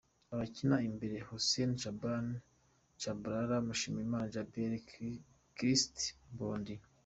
Abakina imbere: Hussein Shaban "Tchabalala", Manishimwe Djabel, Christ Mbondi.